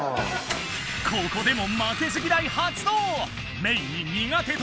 ここでも負けず嫌い発動！